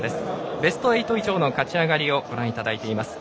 ベスト８以上の勝ち上がりを見ていただいています。